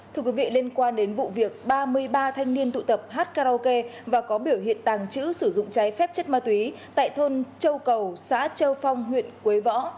thưa quý vị liên quan đến vụ việc ba mươi ba thanh niên tụ tập hát karaoke và có biểu hiện tàng trữ sử dụng cháy phép chất ma túy tại thôn châu cầu xã châu phong huyện quế võ